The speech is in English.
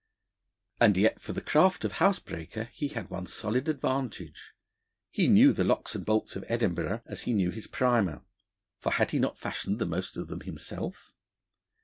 And yet for the craft of housebreaker he had one solid advantage: he knew the locks and bolts of Edinburgh as he knew his primer for had he not fashioned the most of them himself?